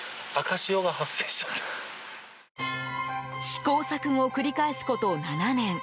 試行錯誤を繰り返すこと７年。